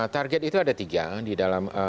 target itu ada tiga di dalam